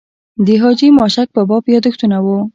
د حاجي ماشک په باب یاداښتونه و.